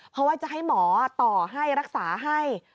เพราะว่าจะให้หมอต่อให้รักษาให้